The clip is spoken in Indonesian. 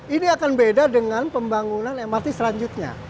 ini akan beda dengan pembangunan mrt selanjutnya